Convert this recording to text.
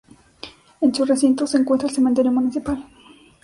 En su recinto se encuentra el cementerio municipal.